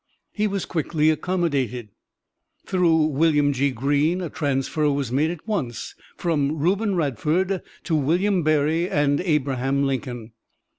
He was quickly accommodated. Through William G. Greene a transfer was made at once from Reuben Radford to William Berry and Abraham Lincoln.